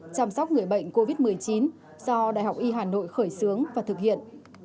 chăm sóc người bệnh covid một mươi chín do đại học y hà nội khởi xướng và thực hiện